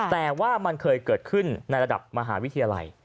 แต่ว่ามันเคยเกิดขึ้นในระดับมหาวิทยาลัย